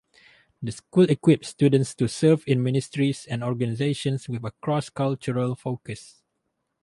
The school equips students to serve in ministries and organizations with a cross-cultural focus.